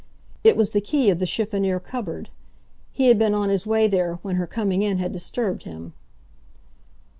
It was the key of the chiffonnier cupboard. He had been on his way there when her coming in had disturbed him.